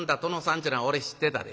っちゅうのは俺知ってたで。